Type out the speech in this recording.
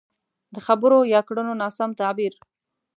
د خبرو يا کړنو ناسم تعبير.